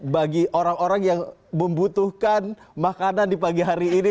bagi orang orang yang membutuhkan makanan di pagi hari ini